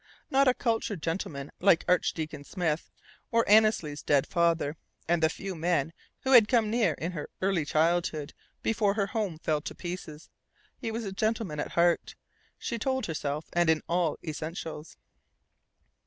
Not a cultured gentleman like Archdeacon Smith, or Annesley's dead father, and the few men who had come near her in early childhood before her home fell to pieces, he was a gentleman at heart, she told herself, and in all essentials.